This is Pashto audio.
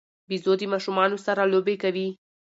بيزو د ماشومانو سره لوبې کوي.